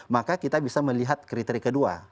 maka kita bisa melihat kriteria kedua